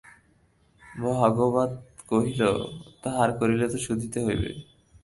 ভাগবত কহিল, ধার করিলে তো শুধিতে হইবে।